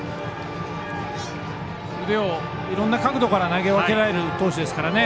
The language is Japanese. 腕をいろんな角度から投げ分けられる投手ですからね。